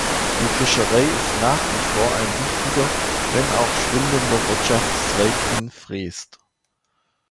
Die Fischerei ist nach wie vor ein wichtiger, wenn auch schwindender Wirtschaftszweig in Freest.